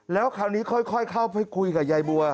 แล้วคราวนี้ค่อยเข้าไปคุยกับยายบัว